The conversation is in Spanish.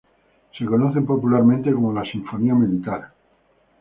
Se conoce popularmente como la Sinfonía Militar.